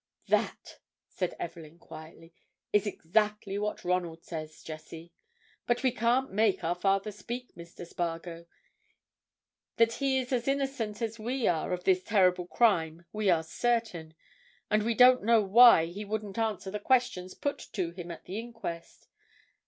"That," said Evelyn, quietly, "is exactly what Ronald says, Jessie. But we can't make our father speak, Mr. Spargo. That he is as innocent as we are of this terrible crime we are certain, and we don't know why he wouldn't answer the questions put to him at the inquest.